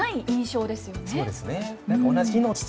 そうですね。